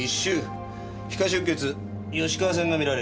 皮下出血吉川線が見られる。